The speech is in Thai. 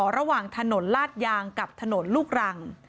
ระหว่างถนนลาดยางกับถนนลูกรัง